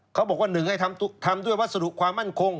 เขาบอกว่าหนึ่งให้ทำด้วยวัสดุความมั่นคง